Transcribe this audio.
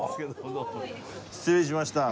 失礼しました。